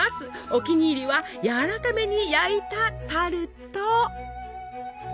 お気に入りはやわらかめに焼いたタルト！